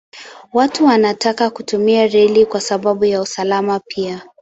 Watu wanataka kutumia reli kwa sababu ya usalama pia.